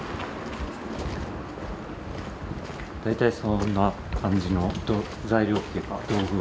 大体そんな感じの材料っていうか道具は。